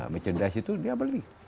mercedas itu dia beli